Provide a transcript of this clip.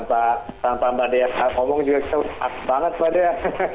tanpa mbak dea ngomong juga kita aktif banget mbak dea